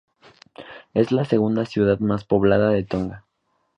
Es la segunda ciudad más poblada de Tonga.